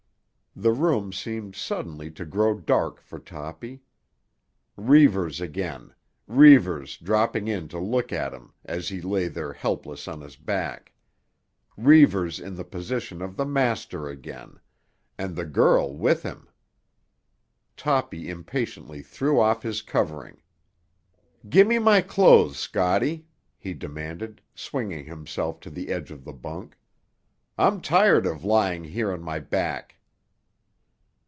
The room seemed suddenly to grow dark for Toppy. Reivers again—Reivers dropping in to look at him as he lay there helpless on his back. Reivers in the position of the master again; and the girl with him! Toppy impatiently threw off his covering. "Gimme my clothes, Scotty," he demanded, swinging himself to the edge of the bunk. "I'm tired of lying here on my back."